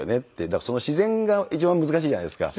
だからその自然が一番難しいじゃないですか。